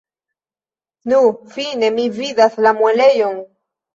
Nu, fine mi vidas la muelejon!